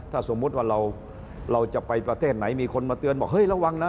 ถ้าสมมุติว่าเราจะไปประเทศไหนมีคนมาเตือนบอกเฮ้ยระวังนะ